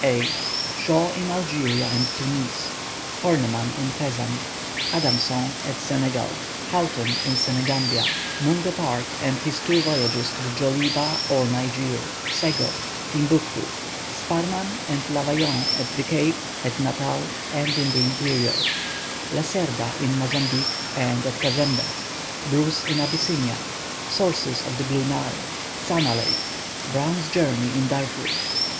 Shaw in Algeria and Tunis Hornemann in Fezzan Adamson at Senegal Houghton in Senegambia Mungo Park and his two voyages to the Djoliba, or Niger Sego Timbuctoo Sparmann and Lavaillant at the Cape, at Natal, and in the Interior Lacerda in Mozambique, and at Cazembé Bruce in Abyssinia Sources of the Blue Nile Tzana Lake Browne's journey in Darfur.